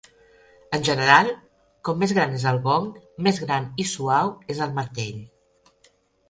En general, com més gran és el gong, més gran i suau és el martell.